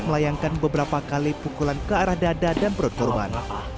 melayangkan beberapa kali pukulan ke arah dada dan perut korban